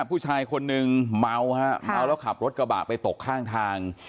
ผู้ชายคนนึงเมาฮะเมาแล้วขับรถกระบะไปตกข้างทาง